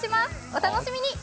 お楽しみに。